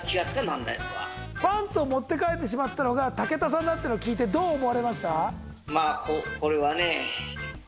パンツを持って帰ったのが武田さんだってのを聞いてどう思われました？